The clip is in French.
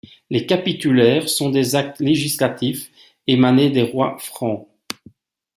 Les capitulaires sont des actes législatifs émanés des rois francs.